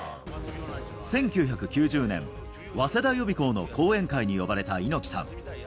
１９９０年、早稲田予備校の講演会に呼ばれた猪木さん。